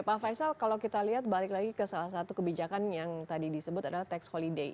pak faisal kalau kita lihat balik lagi ke salah satu kebijakan yang tadi disebut adalah tax holiday